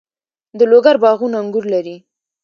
د لوګر باغونه انګور لري.